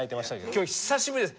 今日久しぶりです。